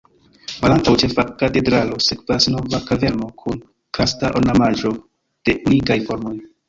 Malantaŭ Ĉefa katedralo sekvas Nova kaverno kun karsta ornamaĵo de unikaj formoj.